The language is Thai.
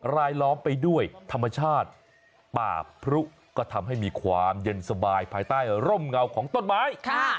ล้อมไปด้วยธรรมชาติป่าพรุก็ทำให้มีความเย็นสบายภายใต้ร่มเงาของต้นไม้